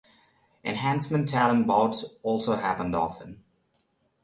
"Enhancement talent" bouts also happened often.